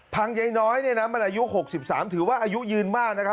พังใยน้อยมันอายุ๖๓ถือว่าอายุยืนมาก